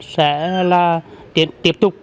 sẽ là tiếp tục